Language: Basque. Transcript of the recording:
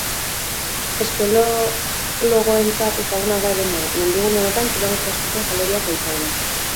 Espeleologoentzat ezaguna da eremua, mendigune honetan kilometro askoko galeriak baitaude.